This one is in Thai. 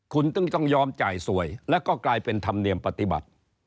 คุณต้องยอมจ่ายสวยแล้วก็กลายเป็นธรรมเนียมปฏิบัติ